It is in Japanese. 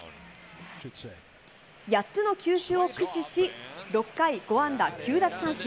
８つの球種を駆使し、６回５安打９奪三振。